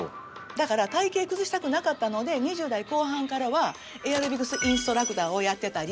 だから体形崩したくなかったので２０代後半からはエアロビクスインストラクターをやってたり。